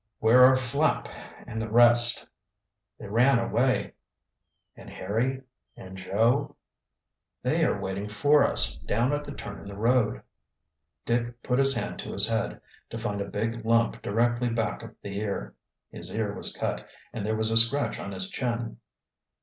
"Where are Flapp and the rest?" "They ran away." "And Harry and Joe?" "They are waiting for us, down at the turn in the road." Dick put his hand to his head, to find a big lump directly back of the ear. His ear was cut, and there was a scratch on his chin.